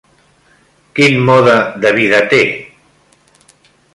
Quin mode de vida té?